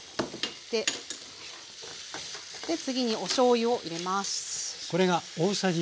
次におしょうゆを入れます。